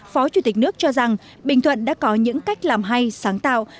phó chủ tịch nước cho rằng bình thuận đã có những cách làm hay sáng tạo